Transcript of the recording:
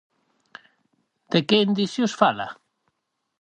De que indicios fala?